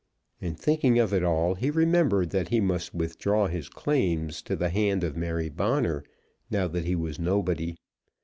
In thinking of it all, he remembered that he must withdraw his claims to the hand of Mary Bonner, now that he was nobody.